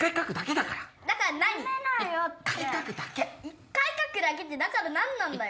一回書くだけってだから何なんだよ？